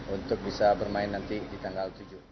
untuk bisa bermain nanti di tanggal tujuh